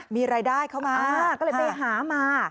มีรายได้เข้ามาก็เลยไปหามา